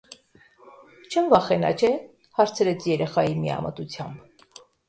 Չեմ վախենա, չէ՞,- հարցրեց երեխայի միամտությամբ: